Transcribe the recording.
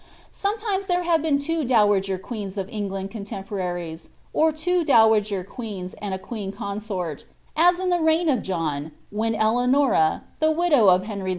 Sometimes there have been two dowager queens of England contemporaries, or two dowager queens and a queen consort, as In the reign of John, when Beanora, the widow of Henry 11.